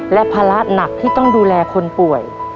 และภาระหนักที่ต้องดูแลคนป่วย